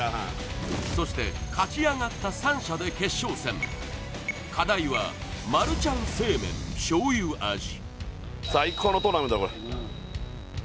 そして勝ち上がった３社で決勝戦課題はマルちゃん正麺醤油味